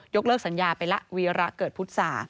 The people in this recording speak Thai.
ยกเลิกสัญญาไปละเวียระเกิดพุทธศาสตร์